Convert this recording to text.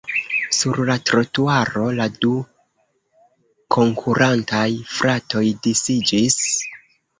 Sur la trotuaro la du konkurantaj fratoj disiĝis.